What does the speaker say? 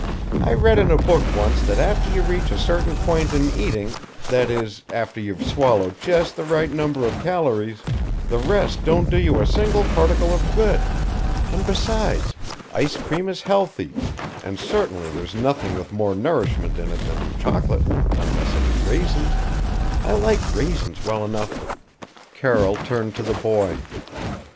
I read in a book once that after you reach a certain point in eating that is, after you've swallowed just the right number of calories the rest don't do you a single particle of good. And besides, ice cream is healthy, and certainly there's nothing with more nourishment in it than chocolate unless it is raisins. I like raisins well enough " Carroll turned to the boy.